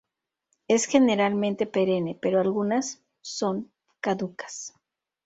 Es generalmente perenne, pero algunas son caducas.